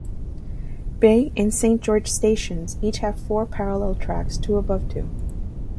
Bay and Saint George stations each have four parallel tracks, two above two.